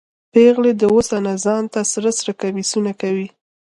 پیغلې د اوس نه ځان ته سره سره کمیسونه کوي